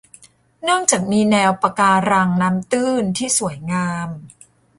เนื่องจากมีแนวปะการังน้ำตื้นที่สวยงาม